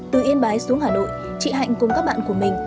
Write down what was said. từ yên bái xuống hà nội chị hạnh cùng các bạn của mình